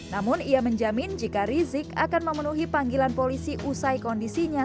namun ia menjamin jika rizik akan memenuhi panggilan polisi usai kondisinya